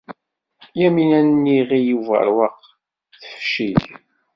Yamina n Yiɣil Ubeṛwaq tefcel.